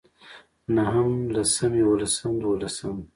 نهم لسم يولسم دولسم